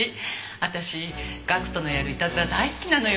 私岳人のやるイタズラ大好きなのよ。